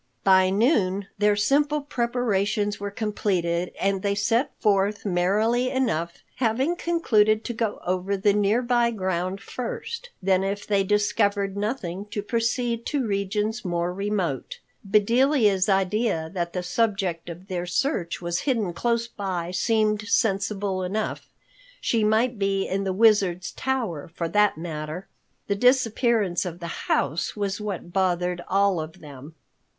By noon their simple preparations were completed and they set forth merrily enough, having concluded to go over the nearby ground first, then if they discovered nothing to proceed to regions more remote. Bedelia's idea that the subject of their search was hidden close by seemed sensible enough. She might be in the Wizard's tower for that matter. The disappearance of the house was what bothered all of them.